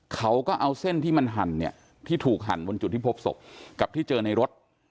เขาก็เอาเส้นที่มันหั่นเนี่ยที่ถูกหั่นบนจุดที่พบศพกับที่เจอในรถ